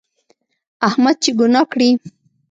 احمد چې ګناه کړي،